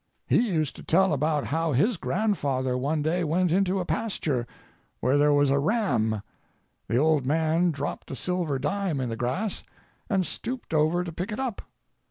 He used to tell about how his grandfather one day went into a pasture, where there was a ram. The old man dropped a silver dime in the grass, and stooped over to pick it up.